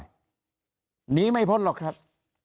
หนีไม่พ้นหรอกครับ